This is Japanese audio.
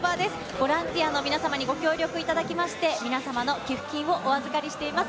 ボランティアの皆様にご協力いただきまして、皆様の寄付金をお預かりしています。